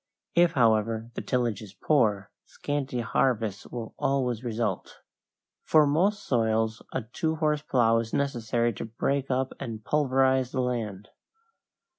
If, however, the tillage is poor, scanty harvests will always result. For most soils a two horse plow is necessary to break up and pulverize the land.